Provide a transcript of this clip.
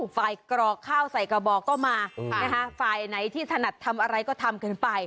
ไฟล์กรอกข้าวใส่กระบอกก็มาอืมนะฮะไฟล์ไหนที่สนัดทำอะไรก็ทำเกินไป